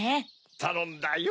たのんだよ。